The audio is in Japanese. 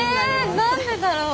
何でだろう。